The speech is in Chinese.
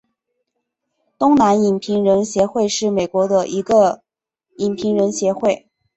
东南影评人协会是美国的一个影评人协会。